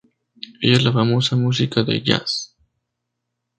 Ella es la famosa música de jazz.